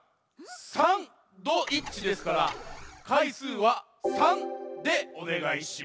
「サン」ドイッチですからかいすうは３でおねがいします。